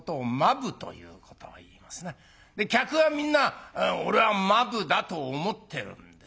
客はみんな「俺は間夫だ」と思ってるんです。